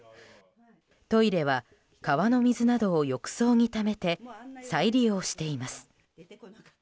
トイレは川の水などを浴槽にためて再利用しています。